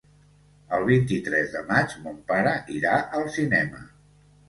El vint-i-tres de maig mon pare irà al cinema.